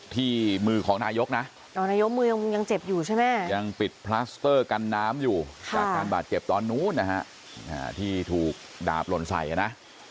ที่มือของนายกนะ